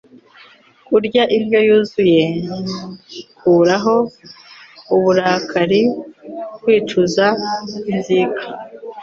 Kurya indyo yuzuye: Kuraho uburakari, kwicuza, inzika,